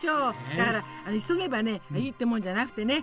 だから急げばいいってもんじゃなくてね。